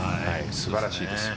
素晴らしいです。